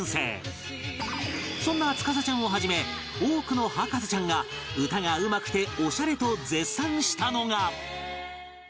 そんな月咲ちゃんを始め多くの博士ちゃんが歌がうまくてオシャレと絶賛したのが